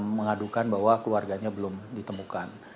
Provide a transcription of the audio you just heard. mengadukan bahwa keluarganya belum ditemukan